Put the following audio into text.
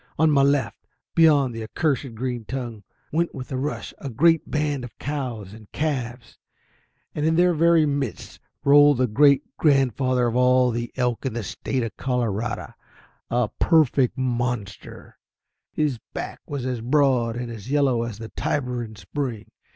On my left, beyond the accursed green tongue, went with a rush a great band of cows and calves. And in their very midst rolled the great grandfather of all the elk in the State of Colorado, a perfect monster! His back was as broad and as yellow as the Tiber in spring.